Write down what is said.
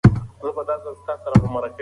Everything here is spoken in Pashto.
آیا ژبه د خوړو خوند نه معلوموي؟